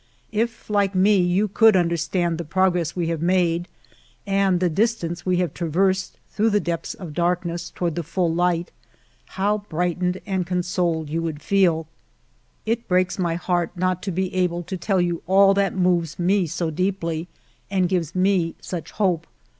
If, like me, you could understand the progress we have made, and the distance we have traversed through the depths of darkness toward the full light, how brightened and con soled you would feel. ALFRED DREYFUS 265 " It breaks my heart not to be able to tell you all that moves me so deeply and gives me such hope.